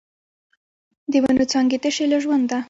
د ونو څانګې تشې له ژونده